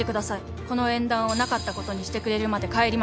「この縁談をなかったことにしてくれるまで帰りません」